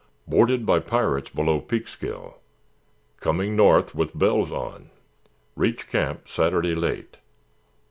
Boarded by pirates below Peekskill. Coming north with bells on. Reach camp Saturday late.